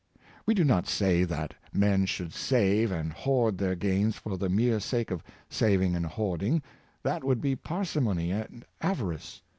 We do not say that men should save and hoard their gains for the mere sake of saving and hoarding; that would be parsimon}^ and avarice.